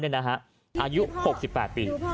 อายุ๖๘ปี